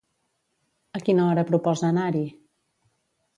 A quina hora proposa anar-hi?